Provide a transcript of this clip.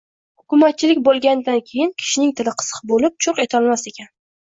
Hukumatchilik bo‘lg‘andan keyin kishining tili qisiq bo‘lub, churq etalmas ekan…